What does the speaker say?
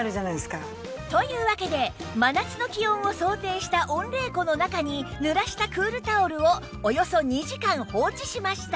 というわけで真夏の気温を想定した温冷庫の中に濡らしたクールタオルをおよそ２時間放置しました